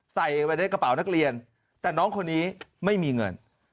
ใส่ไว้ในกระเป๋านักเรียนแต่น้องคนนี้ไม่มีเงิน